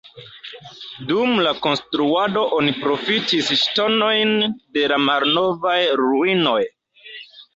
Dum la konstruado oni profitis ŝtonojn de la malnovaj ruinoj.